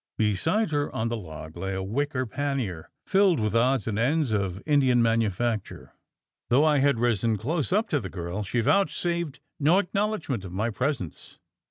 Beside her on the log lay a wicker pannier, filled with odds and ends of Indian manufacture. Though I had risen close up to the girl, she vouchsafed no acknowledgment of my presence.